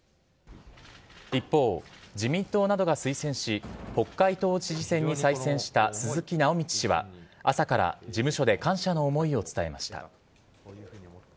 一方、自民党などが推薦し、北海道知事選に再選した鈴木直道氏は、朝から事務所で感謝の思いを伝えました。